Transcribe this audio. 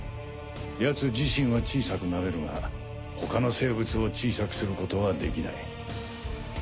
ヤツ自身は小さくなれるが他の生物を小さくすることはできない。